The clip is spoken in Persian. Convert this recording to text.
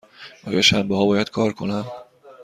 آیا شنبه ها باید کار کنم؟